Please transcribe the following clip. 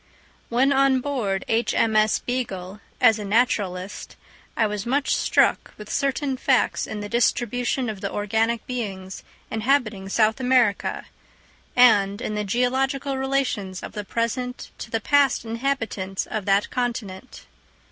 When on board H.M.S. Beagle, as naturalist, I was much struck with certain facts in the distribution of the organic beings inhabiting South America, and in the geological relations of the present to the past inhabitants of that continent.